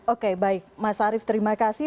oke baik mas arief terima kasih